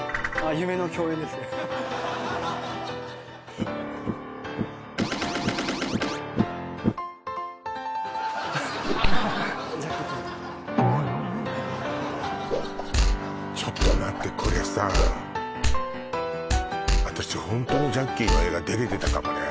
夢の共演ですねジャッキー痛いんだちょっと待ってこれさ私ホントのジャッキーの映画出れてたかもね